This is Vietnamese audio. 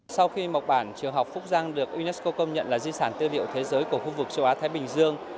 sau khi mộc bản trường học phúc giang được unesco công nhận là di sản tư liệu thế giới của khu vực châu á thái bình dương